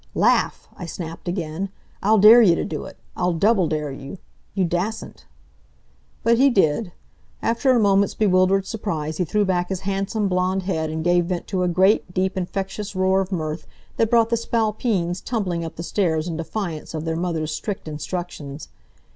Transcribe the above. "Laugh!" I snapped again. "I'll dare you to do it. I'll double dare you! You dassen't!" But he did. After a moment's bewildered surprise he threw back his handsome blond head and gave vent to a great, deep infectious roar of mirth that brought the Spalpeens tumbling up the stairs in defiance of their mother's strict instructions.